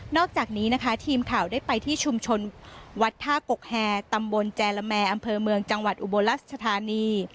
อกจากนี้นะคะทีมข่าวได้ไปที่ชุมชนวัดท่ากกแฮตำบลแจละแมอำเภอเมืองจังหวัดอุบลรัชธานี